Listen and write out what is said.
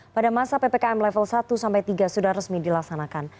pada masa ppkm level satu sampai tiga sudah resmi dilaksanakan